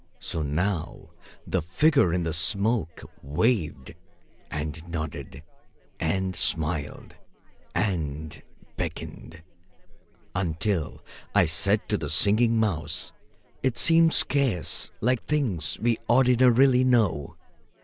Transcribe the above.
So now the figure in the smoke waved, and nodded, and smiled and beckoned, until I said to the Singing Mouse it seemed scarce like things we ordinarily know.